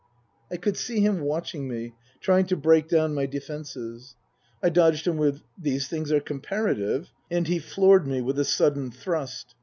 I could see him watching me, trying to break down my defences. I dodged him with, " These things are comparative," and he floored me with a sudden thrust.